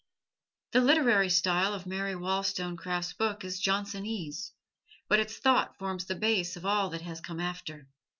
The literary style of Mary Wollstonecraft's book is Johnsonese, but its thought forms the base of all that has come after.